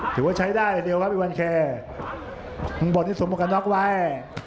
ถือว่าใช้ได้อย่างเดียวครับอีวัลเคมุ่งบทที่สมกนอกไว้